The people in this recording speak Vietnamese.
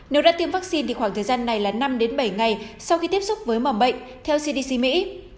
nếu đã tiêm vaccine thì khoảng thời gian này là năm bảy ngày sau khi tiếp xúc với mầm bệnh theo cdc mỹ